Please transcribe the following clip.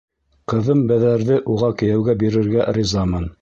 Ҡыҙым Бәҙәрҙе уға кейәүгә бирергә ризамын.